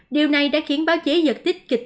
điều này đã khiến báo chí giật tích kịch